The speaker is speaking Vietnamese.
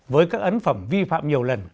với các ấn phẩm vi phạm nhiều lần